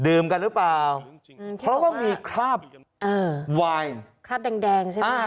ดื่มกันหรือเปล่าเขาก็มีคราบอืมไวน์คราบแดงใช่ไหมอ่า